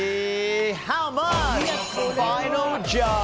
ハウマッチファイナルジャッジ！